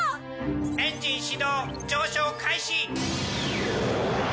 エンジン始動上昇開始！